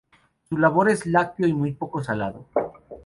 Su sabor es lácteo y muy poco salado.